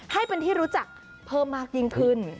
ให้เป็นที่รู้จักเพิ่มมากยิ่งขึ้น